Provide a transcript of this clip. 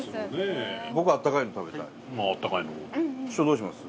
師匠どうします？